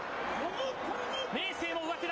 明生も上手だ。